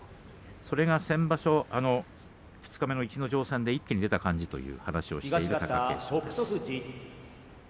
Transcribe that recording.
それが先場所二日目の逸ノ城戦で一気に出た感じという話をしていた貴景勝です。